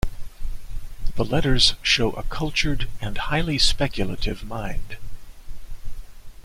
The letters show a cultured and highly speculative mind.